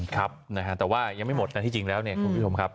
แต่ว่ายังไม่หมดที่จริงแล้วคุณผู้ชมครับ